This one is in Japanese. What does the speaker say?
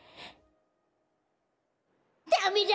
ダメだ！